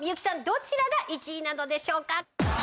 どちらが１位なのでしょうか？